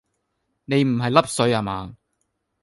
你唔係笠水呀嗎